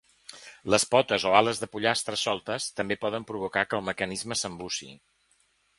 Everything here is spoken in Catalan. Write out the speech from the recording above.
Les potes o ales de pollastres soltes també poden provocar que el mecanisme s'embussi.